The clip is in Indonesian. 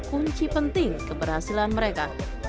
kunci penting keberhasilan mereka